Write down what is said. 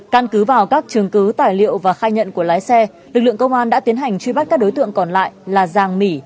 căn cứ vào các trường cứ tài liệu và khai nhận của lái xe lực lượng công an đã tiến hành truy bắt các đối tượng còn lại là giàng mỉ